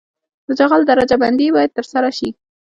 د جغل درجه بندي باید ترسره شي